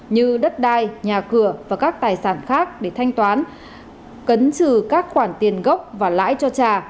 như đất đai nhà cửa và các tài sản khác để thanh toán cấn trừ các khoản tiền gốc và lãi cho trà